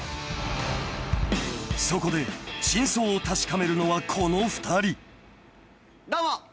［そこで真相を確かめるのはこの２人］